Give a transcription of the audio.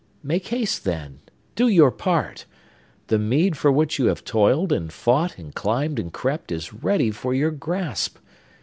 Make haste, then! Do your part! The meed for which you have toiled, and fought, and climbed, and crept, is ready for your grasp!